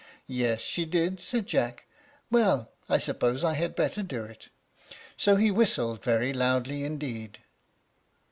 "Yes, she did," said Jack. "Well, I suppose I had better do it." So he whistled very loudly indeed.